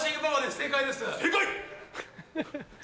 正解！